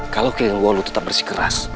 kalau ki lengenwalu tetap bersikeras